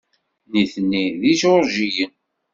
Nitni d Ijuṛjiyen.